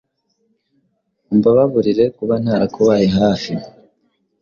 umbababrire kuba ntara kubaye hafi